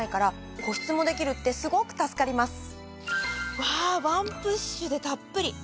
うわぁワンプッシュでたっぷり。